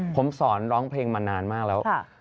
ผมสอนร้องเพลงมานานมากแล้ว